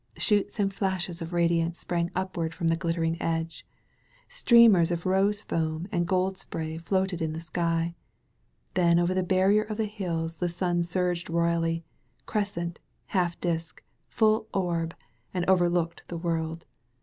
Shoots and flashes of radiance sprang upward from the glittering edge. Streamers of rose foam and gold spray floated in the sky. Then over the barrier of the hills the sun surged royally — crescent, half disk, full orb — ^and overlooked the world.